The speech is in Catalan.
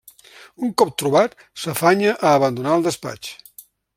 Un cop trobat, s'afanya a abandonar el despatx.